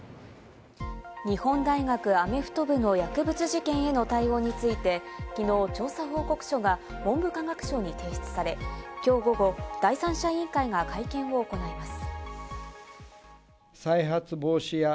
日本大学アメフト部の薬物事件への対応について、きのう調査報告書が文部科学省に提出され、きょう午後、第三者委員会が会見を行います。